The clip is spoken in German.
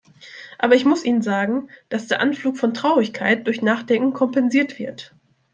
Aber ich muss Ihnen sagen, dass der Anflug von Traurigkeit durch Nachdenken kompensiert wird.